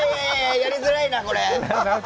やりづらいな、これ。